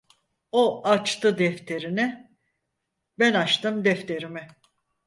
O açtı defterini, ben açtım defterimi…